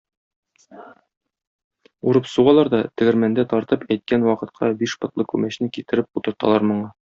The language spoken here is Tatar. Урып сугалар да, тегермәндә тартып, әйткән вакытка биш потлы күмәчне китереп утырталар моңа.